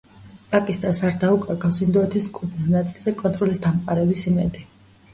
პაკისტანს არ დაუკარგავს ინდოეთის კუთვნილ ნაწილზე კონტროლის დამყარების იმედი.